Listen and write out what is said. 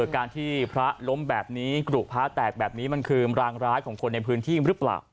การที่พระล้มแบบนี้กรุพระแตกแบบนี้มันคือรางร้ายของคนในพื้นที่หรือเปล่า